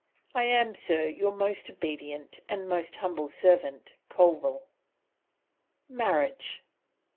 I am, sir, your most obedient and most humble servant, Colville. MARRIAGE.